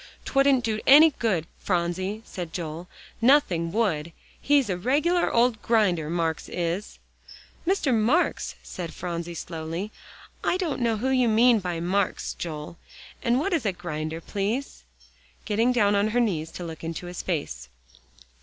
"'Twouldn't do any good, Phronsie," said Joel, "nothing would. He's a regular old grinder, Marks is." "Mr. Marks," said Phronsie slowly, "I don't know who you mean by Marks, Joel. And what is a grinder, please?" getting down on her knees to look in his face.